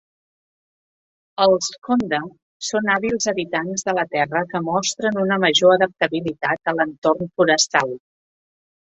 Els Kondha són hàbils habitants de la terra que mostren una major adaptabilitat a l'entorn forestal.